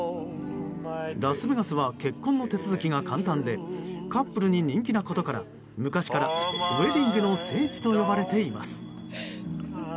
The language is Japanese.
ラスベガスは結婚の手続きが簡単でカップルに人気なことから昔からウェディングの聖地と呼ばれています。